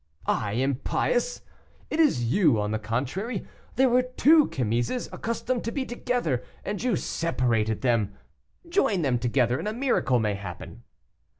"I impious! it is you, on the contrary; there were two chemises accustomed to be together, and you separated them. Join them together and a miracle may happen."